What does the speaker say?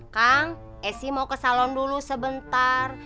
kang esi mau ke salon dulu sebentar